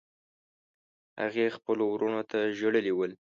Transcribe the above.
هغې خپلو وروڼو ته ژړلي ول.